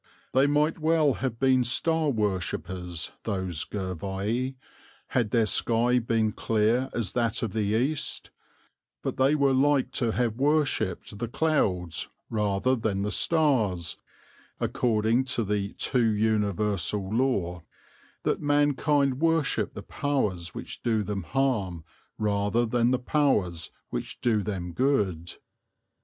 They might well have been star worshippers, those Gervii, had their sky been clear as that of the East; but they were like to have worshipped the clouds rather than the stars, according to the too universal law, that mankind worship the powers which do them harm, rather than the powers which do them good.